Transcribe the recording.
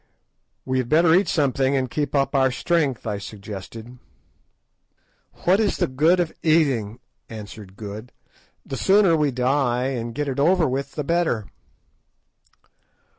"We had better eat something and keep up our strength," I suggested. "What is the good of eating?" answered Good; "the sooner we die and get it over the better."